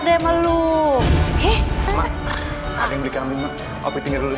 eh mak ada yang beli ke amri mak opik tinggal dulu ya